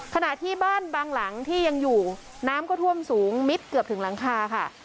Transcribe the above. ขณะที่บ้านบางหลังที่ยังอยู่น้ำก็ท่วมสูงมิดเกือบถึงหลังคาค่ะ